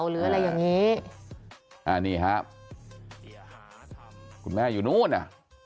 หรืออะไรอย่างนี้อ่านี่ครับคุณแม่อยู่นู้นอ่ะ